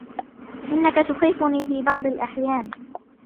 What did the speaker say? إنك تخيفني في بعض الأحيان.